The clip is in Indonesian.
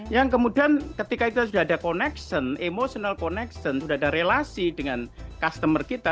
yang kemudian ketika itu sudah ada connection emotional connection sudah ada relasi dengan customer kita